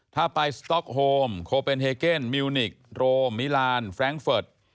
ถ้าไปสต๊อคโฮมโคเปรนเฮเกิ้นมิวนิกส์โรมไมลานฟรานกฟิ็ด